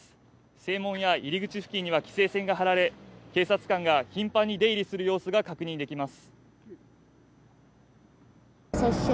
正門や入り口付近には規制線が張られ警察官が頻繁に出入りする様子が確認できます